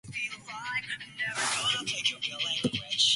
The final standings of the tournament.